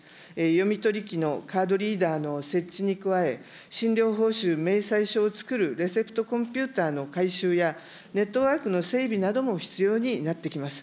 読み取り機のカードリーダーの設置に加え、診療報酬明細書を作るレセプトコンピューターの改修やネットワークの整備なども必要になってきます。